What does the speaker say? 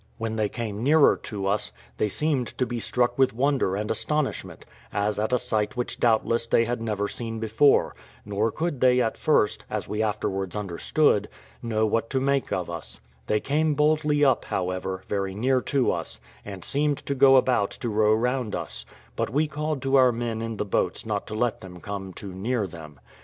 When they came nearer to us, they seemed to be struck with wonder and astonishment, as at a sight which doubtless they had never seen before; nor could they at first, as we afterwards understood, know what to make of us; they came boldly up, however, very near to us, and seemed to go about to row round us; but we called to our men in the boats not to let them come too near them.